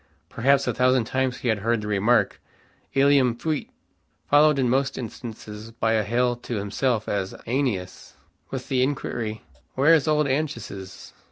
Perhaps a thousand times he had heard the remark, "Ilium fuit," followed in most instances by a hail to himself as "AEneas," with the inquiry "Where is old Anchises?"